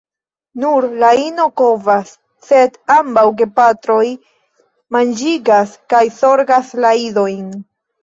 Nur la ino kovas, sed ambaŭ gepatroj manĝigas kaj zorgas la idojn.